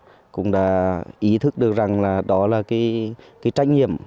bà con nhân dân cũng đã ý thức được rằng đó là cái trách nhiệm